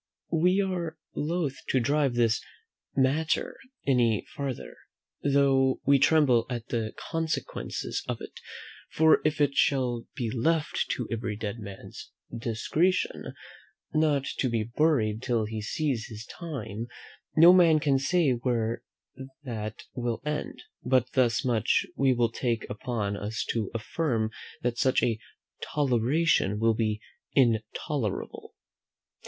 We are loth to drive this matter any farther, though we tremble at the consequences of it; for if it shall be left to every dead man's discretion not to be buried till he sees his time, no man can say where that will end; but thus much we will take upon us to affirm, that such a toleration will be intolerable.